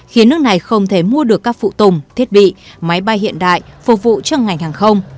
khiến nước này không thể mua được các phụ tùng thiết bị máy bay hiện đại phục vụ cho ngành hàng không